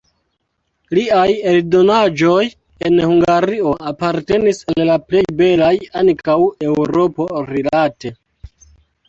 Liaj eldonaĵoj en Hungario apartenis al la plej belaj ankaŭ Eŭropo-rilate.